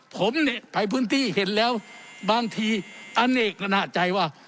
ผมเนี่ยไปพื้นที่เห็นแล้วบางทีอเนกอนาใจว่า